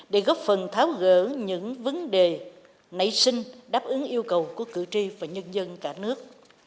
để góp phần tháo gỡ những vấn đề nảy sinh đáp ứng yêu cầu của cử tri và nhân dân cả nước